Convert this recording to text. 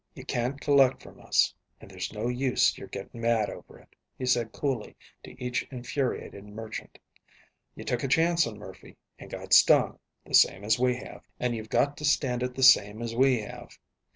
"You can't collect from us, and there's no use you're getting mad over it," he said coolly to each infuriated merchant. "You took a chance on Murphy, and got stung, the same as we have, and you've got to stand it the same as we have.